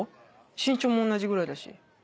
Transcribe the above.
身長も同じぐらいだし。